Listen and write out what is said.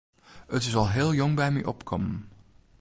It is al heel jong by my opkommen.